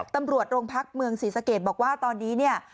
ตำรวจโรงพักษ์เมืองศรีสะเกตบอกว่าตอนนี้